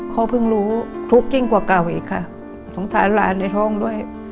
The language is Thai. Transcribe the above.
เขาเพิ่งรู้ทุกข์ยิ่งกว่าเก่าอีกค่ะสงสารหลานในท้องด้วย